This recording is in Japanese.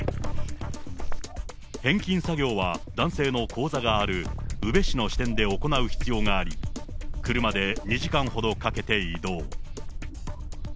返金作業は、男性の口座がある宇部市の支店で行う必要があり、車で２時間ほどかけて移動。